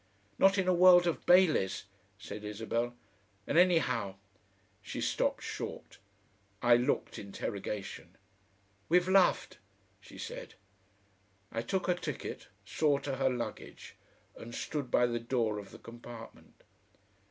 "Not in a world of Baileys," said Isabel. "And anyhow " She stopped short. I looked interrogation. "We've loved," she said. I took her ticket, saw to her luggage, and stood by the door of the compartment.